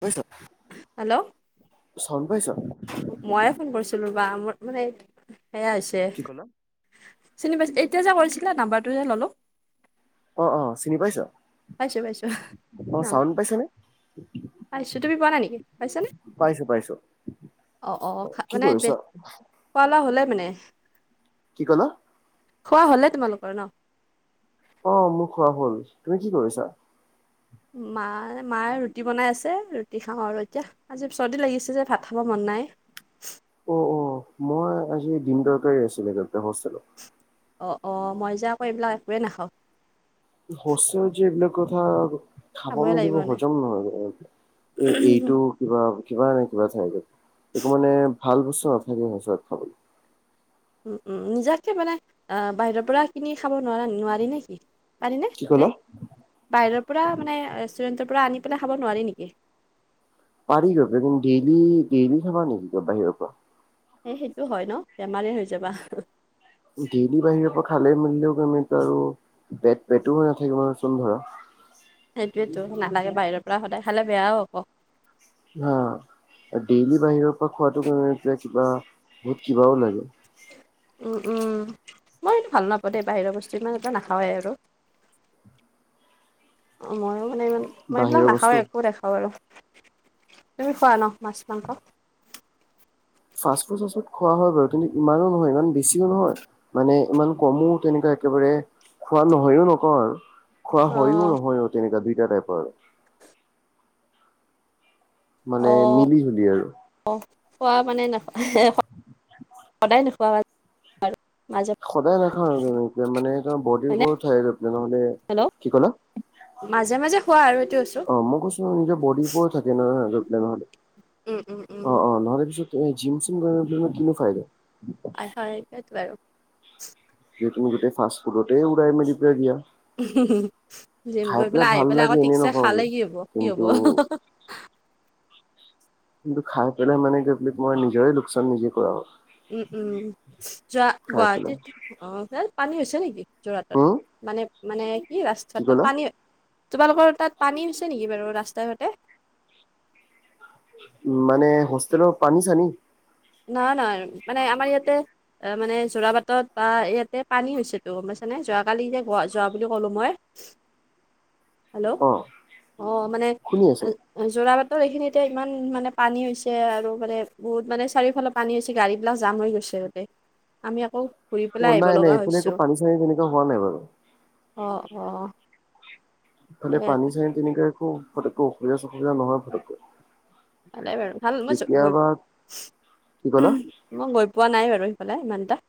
বুজিছো। হেল্ল'? [unintelligible] মইয়ে ফোন কৰিছিলোঁ ৰবা! মোৰ মানে, সেয়া হৈছে। কি ক'লা? চিনি পাইছিল? এতিয়া যে কৰিছিলে, নাম্বাৰটো যে ললোঁ। অ' অ'! চিনি পাইছা? পাইছোঁ পাইছোঁ অ'! চাউণ্ড পাইছনে? পাইছো। তুমি পোৱা নাই নেকি, পাইছানে? পাইছো পাইছো অ' অ' অ'! কি মানে কৰিছ খোৱা-লোৱা হ'লে মানে? কি ক'লা? খোৱা হ'লে তোমালোকৰ ন'? অ'! মোৰ খোৱা হ'ল। তুমি কি কৰিছা? মায়ে, মায়ে ৰুটি বনাই আছে, ৰুটি খাওঁ আৰু এতিয়া। আজি চৰ্দি লাগিছে যে, ভাত খাব মন নাই। অ' অ'! মই আজি, ডিম তৰকাৰী আছিলে, হোষ্টেলত। অ' অ'! মই যে আকৌ, এইবিলাক একোৱে নাখাওঁ। [unintelligible] খাব খাবই মেলিব, লাগিব মানে হজম নহয় এ,। এইটো কিবা, কিবা নে, [unintelligible] এইটো মানে, ভাল বস্তু নাথাকে, সঁচৰাত খাবলে। উম, উম। নিজাকে মানে, আঁ বাহিৰৰ পৰা, কিনি খাব নোৱাৰা, নোৱাৰি নেকি? আনে নে, কি নে? ক'লা বাহিৰৰ পৰা মানে, ৰেষ্টুৰেণ্টৰ পৰা আনি পেলাই, খাব নোৱাৰি নেকি? পাৰি। ডেইলি, ডেইলি খাব নেকি বাহিৰৰ পৰা? এই, সেইটো হয় ন'! বেমাৰে হৈ যাবা! ডেইলি বাহিৰৰ পৰা, খালে-মেলিলেও [unintelligible] আৰু পেট-পেটটো হৈ নাথাকিব আৰু চোন ধৰা। সেইটোৱেতো! নালাগে, বাহিৰৰ পৰা সদায় খালে, বেয়াও হ'ব। অ'! ডেইলি বাহিৰৰ পৰা খোৱাাটো, [unintelligible] কিবা, বহুত কিবাও লাগে। উম, উম। মই এইটো ভাল নাপাওঁ, দেই! বাহিৰৰ বস্তু ইমান এটা, নাখাওঁৱেই আৰু। অ'! মইয়ো। মানে ইমান, মই এইবিলাক বাহিৰৰ বস্তু নাখাওঁয়ে, একো নেখাওঁ আৰু। তুমি খোৱা ন' মাছ-মাংস? ফাষ্টফুড-চাষ্টফুড খোৱা হয় বাৰু। কিন্তু, ইমানো নহয়, ইমান বেছিও নহয়। মানে ইমান কমো তেনেকুৱা একেবাৰে খোৱা নহয়ও নকওঁ আৰু। খোৱা অ হয়ও নহয়ও, তেনেকুৱা দুইটা টাইপৰ আৰু। মানে মিলি- জুলি আৰু। অঁ', খোৱা মানে নোখোৱা সদায় নোখোৱা মানে। সদায় নাখাও আৰু তেনেকে মানে তোমাৰ বডিৰ হয়নে হেল্ল' [unintelligible] কি ক'লা? মাজে মাজে খোৱা আৰু এইটো কৈছোঁ। অ মই কৈছো নিজৰ বডিৰ ওপৰত থাকে নহয় [unintelligible] নহলে উম উম উম অ', অ', নহলে পিছত তুমি জিম-চিম গৈ পেলাই নো কি ফাইদা। হয়, হয়, সেইটোৱে আৰু। যদি তুমি গোটেই ফাষ্টফ ফুডতে উৰাই মেলি পেলাই দিয়া। জিম খাই গৈ পেলাই আহি ভাল পেলাই আকৌ লাগে এনে ঠিকছে খালে নকওঁগে কি হ'ব কি হ'ব। কিন্তু কিন্তু খাই পেলাই মানে কি মই নিজৰে লোকচান নিজে কৰা। উম, উম, যোৱা খাই পেলাই গুৱাহাটীত অ', তাত পানী হৈছে নেকি? যোৰহাটত হুম মানে মানে কি ৰাস্তটোৰ পানী তোমালোকৰ তাত পানী হৈছে নেকি বাৰু ৰাস্তাই ঘাতে? মানে হোষ্টেলৰ পানী-চানী নহয়, নহয়, মানে আমাৰ ইয়াতে এ মানে যোৰা বাটত বা ইয়াতে পানী হৈছেতো গ'ম পাইছানে যোৱাকালি যে যোৱা বুলি ক'লো মই। হেল্ল' অ অ', মানে শুনি আছো যোৰা বাটৰ এইখিনিতে ইমান মানে পানী হৈছে আৰু মানে বহুত মানে চাৰিওফালে পানী হৈছে গাড়ী বিলাক জাম হৈ গৈছে গোটেই আমি আকৌ ঘুৰি অ পেলাই আহিব নাই নাই লগা এইফালে হৈছো একো পানী চানী তেনেকুৱা হোৱা নাই বাৰু অ', অ'। এ এইফালে পানী-চানী তেনেক একো পটককৈ অসুবিধা-চসুবিধা নহয় ফটকৈ। ভালে বাৰু ভাল মই গৈ কি ক'লা মই গৈ পোৱা নাই বাৰু সিফালে ইমান এটা।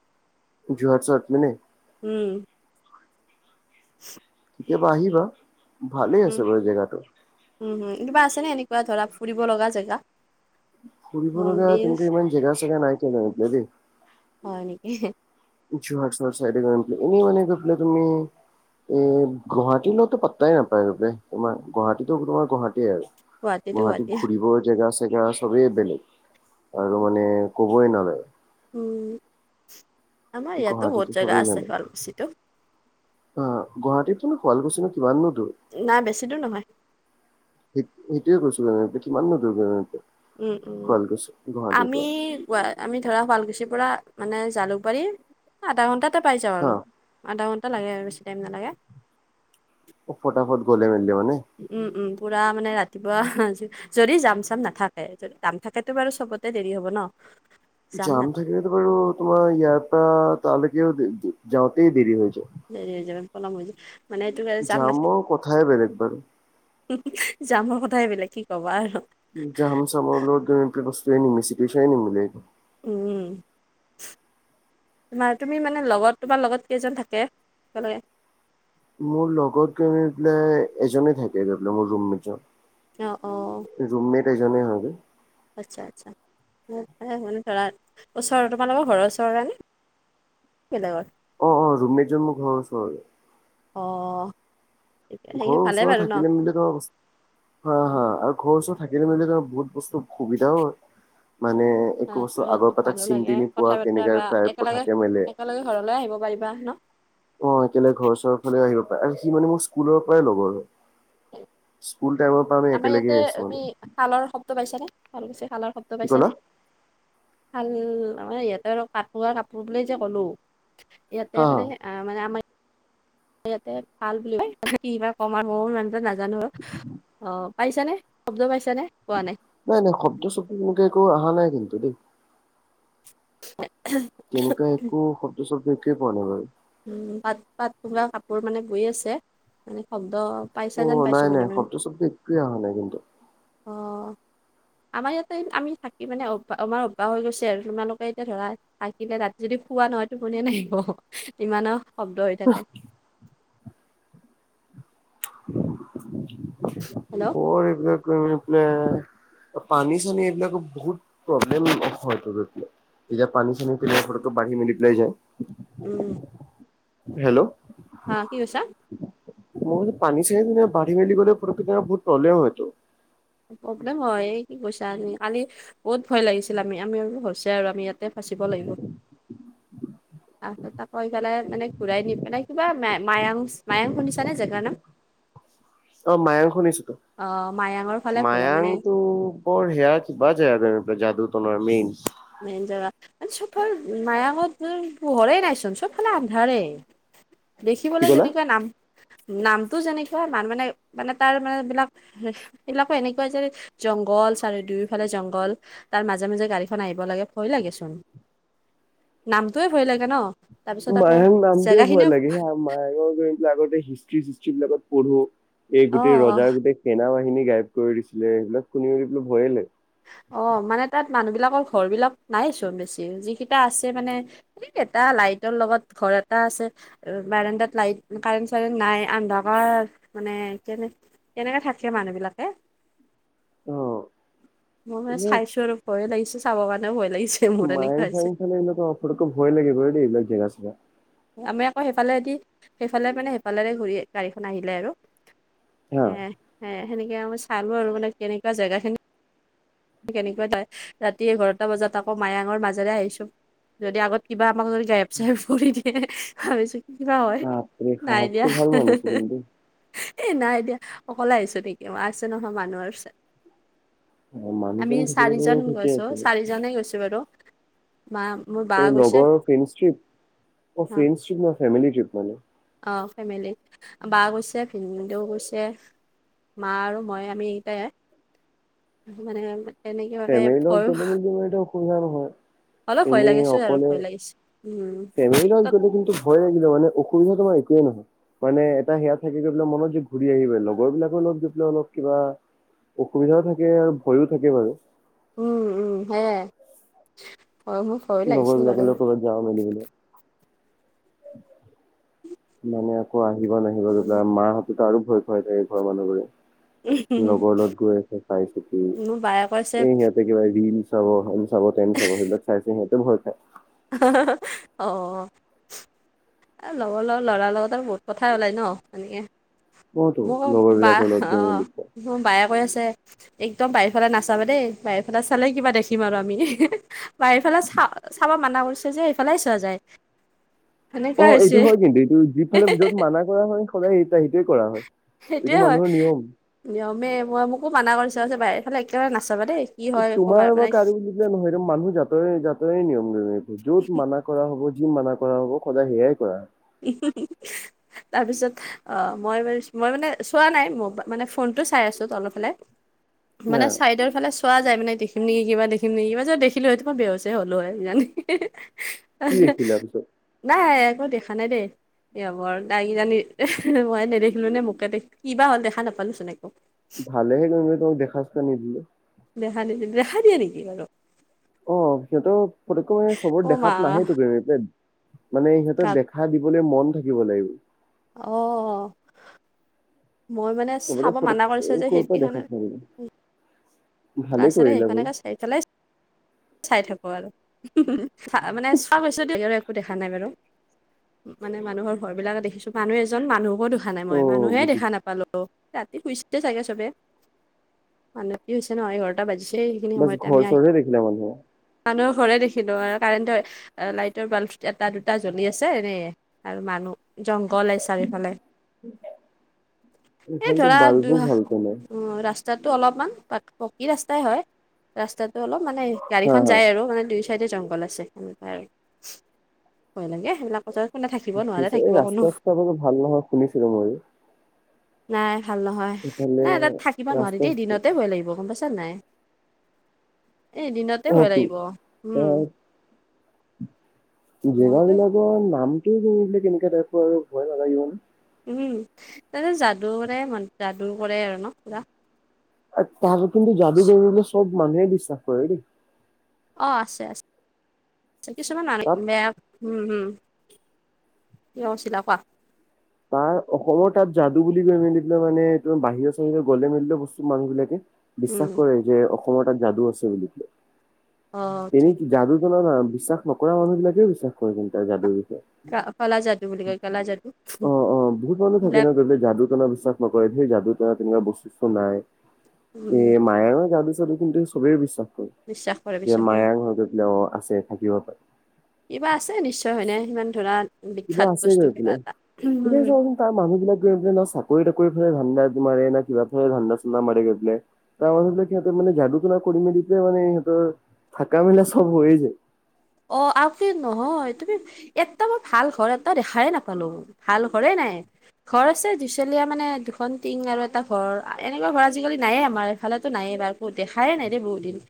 যোৰহাট-চোৰহাট পিনে? উম। [inaudible] কেতিয়াবা আহিবা ভালেই উম আছে বাৰু জেগাটো। উম, হম, কিবা আছেনেে এনেকুৱা ধৰা ফুৰিব লগা জেগা? ফুৰিব লগা মন্দিৰ তেনেকুৱা ইমান জেগা চাগা নাই [unintelligible] দেই। হয়, নেকি? যোৰহাট-চোৰহাট চাইদে [unintelligible] এনে মানে গৈ পেলাই তুমি এ গুৱাহাটীৰলৈতো পাত্তাই নাপায় গৈ পেলাই তোমাৰ গুৱাহাটীতো তোমাৰ গুৱাহাটী আৰু। গুৱাহাটীতো গুৱাহাটী গুৱাহাটীত ঘূৰিব জেগা চেগা চবেই বেলেগ আৰু মানে ক'বই নালাগে। উম, আমাৰ ইয়াতো গুৱাহাটীতো বহুত জাগা চবেই আছে জানে শুৱালকুছিটো। অ', গুৱাহাটীতোনো শুৱালকোছিনো কিমানো দূৰ? নাই বেছি দূৰ নহয়। স সেইটোৱে কৈছো মানে কিমানো দুৰ [unintelligible] উম, উম, আমি আমি ধৰা শুৱালকুছিৰ পৰা মানে জালুকবাৰী আধা ঘণ্টাত তে পাই যাওঁ হা। আৰু আধা ঘণ্টা লাগে আৰু বেছি টাইম নালাগে। ফটাফট গলে মেলিলেমানে? উম, উম, পুৰা মানে ৰাতিপুৱাজি যদি যাম -চাম নাথাকে যদি যাম থাকেতো বাৰু চবতে দেৰি হব ন'? জাম থাকিলেতো বাৰু তোমাৰ ইয়াৰ পৰা তালৈকেও যাওঁতেই দেৰি হৈ যায়। দেৰি হৈ যায় পলম হৈ যায়। জামৰ কথাই বেলেগ বাৰু। জামৰ কথাই বেলেগ কি কবা আৰু। [unintelligible] চবৰ লগে মিছিকিচয়ে নিমিলেগে উম। তোমাৰ তুমি মানে লগত তোমাৰ লগত কেইজন থাকে একেলগে? মোৰ লগত ধৰি প্ৰাই এজনে থাকে মোৰ ৰুমমেটজন। অ', অ'। ৰুমমেট এজনেই হয়। আচ্ছা আচ্ছা, মানে ধৰা ওচৰৰ, তোমালকৰ ঘৰৰ ওচৰৰে নে? বেলেগৰ? অ', অ' ৰুমমেটজন মোৰ ঘৰৰ ওচৰৰে। অ'। সেই ঘৰৰ ভালে ওচৰৰ বাৰু ন থাকিলে মেলিলে ধৰ হা, হা, আৰু ঘৰৰ ওচৰত থাকিলে মিলে বহুত বস্তু সুবিধাও হয় মানে একো সেইটো বস্তু আগৰপৰা তাক ভালো চিনি লাগে টিনি পোৱা কথা বতৰা কেনেকুৱা বা টাইপৰ একেলগে থাকে মানে। একেলগে ঘৰলৈ আহিব পাৰিবা ন'? অ' একেলগে ঘৰ চৰ আহিব পাৰে আৰু মানে সি মোৰ স্কুলৰপৰাই লগৰ হয়, স্কুল টাইমৰ পৰা আমি আমাৰ একেলগে ইয়াতে আছো মানে। তুমি শালৰ শব্দ পাইছানে খোল কৈছি শালৰ শব্দ কি ক'লা? পাইছানে? শাল মানে ইয়াতে আৰু পাতমুগা কাপোৰ বুলি যে ক'লো, ইয়াতে হা হা। মানে আ, মানে আমি ইয়াতে শাল বুলি কয়, কিবা ক'ম আৰু মইও ইমান এটা নাজানো আৰু অ' পাইছানে, শব্দ পাইছানে, পোৱা নাই নাই নাই শব্দ চব্দ এনেকে একো অহা নাই কিন্তু দেই। [unintelligible] তেনেকুৱা একো শব্দ চব্দ একোৱে পোৱা নাই বাৰু। উম, পাট পাটমুগা কাপোৰ মানে বৈ আছে মানে শব্দ পাইছা যেন অ' নাই পাইছোঁ মানে নাই মানে। শব্দ শব্দ একোৱে অহা নাই কিন্তু। অ' আমাৰ ইয়াতে আমি থাকি মানে অভ্যাস আমাৰ অভ্যাস হৈ গৈছে আৰু তোমালোকে এতিয়া ধৰা খাই কিনে ৰাতি যদি শুৱা নহয় টোপনিয়ে নাহিব, ইমানো শব্দ হৈ থাকে। হেল্ল' অ' এইবোৰ গৈ ইপিলে পানী চানী এইবিলাকো বহুত প্ৰব্লেম হয়তো গৈ পেলাই। এতিয়া পানী চানী ফিলাই বাঢ়ি মিলি পেলাই যায়। উম। হেল্ল'। হা, কি কৈছা? মই কৈছোঁ পানী চানী বাঢ়ি মেলি গ'লে ফতকেই বহুত প্ৰব্লেম হয়তো। প্ৰব্লেম হয়, এই কি কৈছা তুমি, কালি বহুত ভয় লাগিছিল আমি, আমি আমি হৈছে আৰু আমি ইয়াত তাতে ফাচিব লাগিব। তাৰপিছত তৌ পালাই মানে ঘূৰাই নি পেলাই কিবা মায়ং, মায়ং শুনিছানে জেগাৰ নাম? [inaudible] অ' মায়ং শুনিছোঁতো। অ মায়াঙৰ ফালে ঘূৰাই মানে মায়ংটো ক'ৰ সেয়া কিবা যায় আ, যাদু তলৰ মেইন। মেইন জাগা, মানে চবফাল মায়ানক পোহৰে নাইচোন চবফালে আন্ধাৰেই। কি দেখিবলৈ ক'লা? যেনেকুৱা নাম নামটো যেনেকুৱা মান মানে মানে তাৰমানে বিলাক এইবিলাকো এনেকুৱা যে জংঘল চাৰি দুয়োফালে জংঘল, তাৰ মাজে মাজে গাড়ী খন আহিব লাগে ভয় লাগেচোন। নামটোয়ে ভয় লাগে ন'? তাৰপিছত আকৌ মায়হাং নামটোৱে ভয় জেগাখিনিও লাগে হেয়াই। মায়ে গৈ পেলাক আগতে হিষ্ট্ৰি চিষ্ট্ৰ্ৰীবিলাকত পঢ়ি এই অ গোটেই অ ৰজাৰ গোটেই সেনা বাহিনী গাইব কৰি দিছিলে, সেইবিলাক শুনি মানে ভয়ে লে অ মানে তাত মানুহ বিলাকৰ ঘৰ বিলাক নাই চ বেছি যিকেইটা আছে মানে স এটা লাইটৰ লগত ঘৰ এটা আছে বাৰেণ্টাত লাইট কাৰেণ্ট চাৰেণ্ট নাই আন্ধকাৰ মানে কিে তেনেকে থাকে মানুহ বিলাকে অ মই মানে এইবিলাক চাইছো আৰু ভয়ে লাগিছে চাব মানে ভয় লাগিছে মোৰ মায়েং এনেকুৱা হৈছে ফায়েং ফালে এইবাক অ ফটক ভয় লাগিব দেই এইবাক জেগাছেগা আমি আকৌ সেইফালেদি সেইফালে মানে সেইফালেৰে ঘূৰি গাড়ীখন আহিলে আৰু হা এ সে সেনেকে মই চালো আৰু মানে কেনেকুৱা জেগা খিনি কেনেকুৱা ৰাতি এঘাৰটা বজাত আকৌ মায়ঙৰ মাজেৰে আহিছো যদি আগত কিবা আমাক যদি গাইব চাই কৰি দিয়ে ভাবিছো কিবা হয় বাপৰে নাই দিয়া সাহসটো ভাল মানিছো কিন্তু দেই। এ নাই এ দিয়া অকলে আহিছো নেকি মই আছে নহয় মানুহৰ অ, আমি মানুহজন থাকিলে বাৰু চাৰিজন ঠিকে গৈছো আছিলে। চাৰিজনে গৈছো বাৰু বা ম এই লগৰ ফ্ৰেণ্ডছ ট্ৰিপ ফ্ৰেণ্ড টপ ন ফেমিলি ট্ৰিপ মানে অ ফেমিলিত বা গৈছে ভিনদেউ গৈছে মা আৰু মই আমি এইটাই আৰু মানে তেনেকুৱাকে ভয় এমেলিললে মিল মাৰ সুবিধা অলপ নহয় ভয় এনেই লাগিছে আৰু অকলে ভয় লাগিছে উম ফেমিলি লগত তাত গ'লে কিন্তু হয়িল মানে অসুবিধা তোমাৰ একোৱেই নহয় মানে এটা সেয়া থাকে গৈ পেলাই মনত যে ঘূৰি আহিব লগৰ বিলাকৰ লগত গৈ পেলাই অলপ কিবা অসুবিধাও থাকে আৰু ভয়ো থাকে বাৰু উম উম হে হয় মোক ভয়েই লাগিছিল বাৰু য মেলিলে মানে আকৌ আহিব নাহিব উম যা মাহঁততো আৰু ভয় খুৱাই থাকে ঘৰ মানুহ ঘোৰে লগৰ লগ গৈ আছে চাই চিতি মোৰ বায়ে কৈছে এই সিহঁত একেবাৰে চাব চাব চাব সেইবিলাক চাই চাই সিহো ভয় খায় অ এই লগৰ লগ ল'ৰাৰ লগত আৰু বহুত কথাই ওলায় ন এনেকৈ অতো মোৰ লগৰ ব বিলাকৰ লগত অ গৈ মেলি মোৰ বায়ে কৈ আছে একদম বাহিৰ ফালে নাচাবা দেই বাহিৰ ফালে চালে কিবা দেখিম আৰু আমি বা এইফালে চা চাব মাননা কৰিছে যে এইফালে চোৱা যায় সেনেকুৱা অ হৈছে এইটো হয় কিন্তু এইটো যিফালে যত মানা কৰা হয় সদায় স সেইটোোৱে কৰা হয় সেইটোৱে এইটো হয় মানুহৰ নিয়ম। নিয়মেই মই মোকো মানা কৰিছ বাহিৰৰফালে একেবাৰে নাচাবা দেই কি হয় ক'বা তোমাৰ বা মানে কাৰো বুলিলে নহয় এক মানুহ জাতৰে জাতৰে নিয়ম ন য'ত মানাক কৰা হ'ব যিম মানা কৰা হ'ব সদায় সেয়াই কৰা উ তাৰ পিছত অ মই মই মানে চোৱা নাই ম মানে ফোনতটো চাই আছো অলপ অলপ হা মানে চাইডৰ ফালে চোৱা যায় মানে দেখিম নেকি কিবা দেখিম নেকি কিবা যে দেখিলোহেইটোমা বেৰচছে হ'লো হয় জানি কি দেখিলা পিছত নাই একো দেখা নাই দেই সেয়া বৰ তাইজানি মই নেদেখিলো নে মোকে দেখ কিবা হল দেখা নাপালোচোন একো ভালেহে গম তোক দেখা চা নিদিলো দেহা নিদি দেহা দিয়ে নেকি বাৰু অ সিহঁতৰ পতকৈ মানে চবৰ অ মা দেখাত নাহেই ত মানে সিহঁতৰ গাত দে সাঁ দিবলৈ মন থাকিব লাগিব অ মই মানে চবতে চাব ফটক মানা কৰিছো যে ক'ৰ পৰা খিৰিকী দেখা খনে পাৰিব ভালেই কাছেৰে কৰিলা বাৰু সেইখনে চাই থালাই চাই থাকো আৰু মানে চোৱা পিছত দি আৰু একো দেখা নাই বাৰু মানে মানুহৰ ঘৰ বিলাকে দেখিছো মানুহ এজন মানুহকো দেখা নাই অ মই মানুহে দেখা বুজিছো নাপালো অ', ৰাতি শুইছ চাগে চবে মানতি হৈছে ন' এঘাৰটা বাজিছে সেইখিনি বছ সময়তে আমি ঘৰ আহি চৰহে দেখিলে মানুহে মানুহৰ ঘৰে দেখিলো আৰু কাৰেণ্ট লাইটৰ বাল্ব এটা দুটা জ্বলি আছে এনে আৰু মানুহ জংঘলে চাৰিওফালে, এই এইফালেতো ধৰা বাল্বো দুৰ ভালকৈ নাই অ', ৰাস্তাটো অলপমান পাক পকী ৰাস্তাই হয় ৰাস্তাটো অলপ মানে হা গাড়ীখন হা যায় আৰু মানে দুই চাইডে জংঘল আছে সেনেকুৱা আৰু ভয় লাগে সেইবিলাক [unintelligible] কোনে থাকি পিছে, এই ৰাস্তা চাস্তা বোৰো ভাল নহয় শুনিছিলোঁ ময়ো। নাই ভাল নহয়, এইফালে নাই তাত থাকিব নোৱাৰি ৰাস্তা দেই দিনতে ভয় লাগিব গম পাইছা নাই? এই দিনতে অ ভয় তো লাগিব উম, তাত মইতো জেগাবিলাকৰ নামটো শুনিবলৈ কেনেকে টাইপৰ আৰু ভয় নালাগিব নে উম, তাতে যাদু কৰে, যাদু কৰে আৰু ন' পুৰা তাত কিন্তু যাদু কৰে বুলি চব মানুহে বিছাশ কৰে দেই। অ', আছে আছে কিছুমান মা তাত বেয়া উম, হুম কি কৈছিলা কোৱা তাৰ অসমৰ তাত যাদু বুলি কৈ মেলি পেলাই মানে এই বাহিৰৰ চাহিৰত গ'লে মেলিলে বস্তু মানুহ বিলাকে বিশ্বাস উম, কৰে যে অসমৰ তাত যাদু আছে বুলি অ', আচ্ছা এনেই যাদু জনৰ নহয় বিশ্বাস নকৰা মানুহ বিলাকে বিশ্বাস কৰে কিন্তু তাৰ যাদুৰ বিষয়ে ক' কলা যাদু বুলি কয় কালাজাদু অ', অ', বহুত মানুহ থাকে ন' যদি যাদু তনা বিশ্বাস নকৰে সেই যাদু তনা তেনেকা বস্তু চস্তু নাই এ উম, মায়াৰো জাদু চাদু কিন্তু চবেই বিশ্বাস কৰে। বিশ্বাস কৰে যে বিশ্বাস কৰে। মায়াৰ ঘৰত গই পেলাই অ', আছে থাকিব পাৰে। কিবা আছে নিশ্চয় হয়নে সিমান ধৰা কিবা বিখ্যাত আছে বস্তু গৈ কিবা পেলাই এটা এতিয়া চাবচোন তাৰ মানুহ বিলাক গৈ পেলাই না চাকৰি তাকৰি ফালে ধান্দা মাৰে না কিবা ফালে ধান্দা চান্দা মাৰে গৈ পেলাই। তাৰ মানুহ বিলাক সিহঁতে মানে যাদু তুনা কৰি মেলি পেলাই মানে সিহঁতৰ থাকা মেলা চব হৈয়ে যায়। অ', আপি নহয় তুমি এটা মই ভাল ঘৰ এটা দেখাই নাপালো ভাল ঘৰে নাই ঘৰ আছে দুই চলীয়া মানে দুখন টিং আৰু এটা ঘৰ, এনেকুৱা ঘৰ আজিকালি নায়ে আমাৰ এফালেটো নায়েই বাৰু দেখাইে নাই দেই বহুত দিন,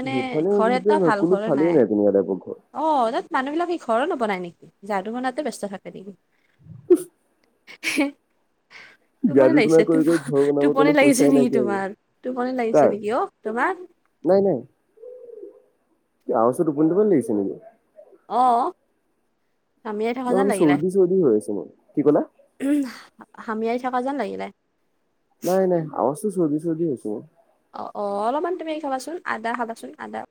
মানে ঘৰ এটা ভাল ঘৰ নাই। ধুনিয়া তাইপৰ ঘৰ অ', তাত মানুহ বিলাক কি ঘৰে নবনাই নেকি যাদু তনাতে ব্যস্ত থাকে নেকি? [inaudible] [inaudible] টোপনি যাদু টনা লাগিছে টো কৰি কৰি ঘৰ বনাবৰ টোপনি কাৰণে লাগিছে পইচাই নেকি নাইকিয়া হৈ গ'ল। তোমাৰ, টোপনি লাগিছে কাৰ নেকি অ, তোমাৰ? নাই, নাই কি আৱাজটো টোপনি টোপনি লাগিছে নেকি? অ', হামিয়াই থকা তাৰ যেন মানে চৰ্দি চৰ্দি হৈ আছে মান কি কলা? উম, হামিয়াই থকা যেন লাগিলে নাই - নাই, আৱজটো চৰ্দি চৰ্দি হৈছে মোৰ অ', অ', অলপমান তুমি খাবাচোন আদা খাবাচোন আদা